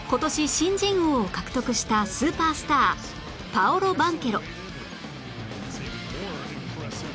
新人王を獲得したスーパースターパオロ・バンケロ